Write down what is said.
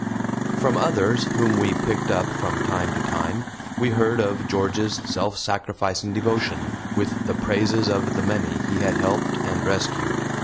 From others whom we picked up from time to time we heard of George's self sacrificing devotion, with the praises of the many he had helped and rescued.